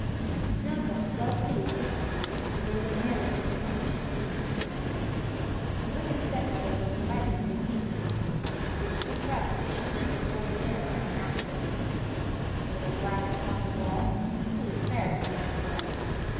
Snowdrop, well pleased, went with him, and they were married with much state and grandeur. The wicked stepmother was invited to the feast. Richly dressed, she stood before the mirror, and asked of it: "Little glass upon the wall, Who is fairest among us all?"